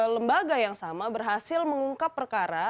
lembaga yang sama berhasil mengungkap perkara